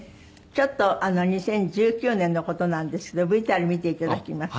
ちょっと２０１９年の事なんですけどＶＴＲ見て頂きます。